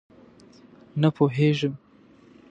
_نه پوهېږم.